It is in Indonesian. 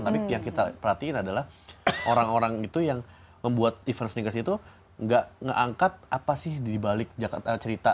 tapi yang kita perhatiin adalah orang orang itu yang membuat event sneakers itu nggak ngangkat apa sih dibalik cerita